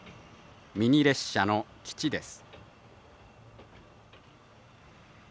ミニ列車の基地です。